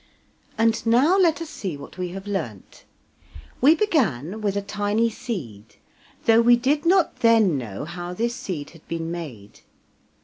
And now let us see what we have learnt. We began with a tiny seed, though we did not then know how this seed had been made.